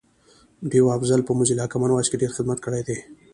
ډیوه افضل په موزیلا کامن وایس کی ډېر خدمت کړی دی